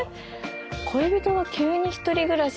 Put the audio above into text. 恋人が急に１人暮らし